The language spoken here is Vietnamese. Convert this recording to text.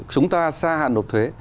chúng ta gia hạn nộp thuế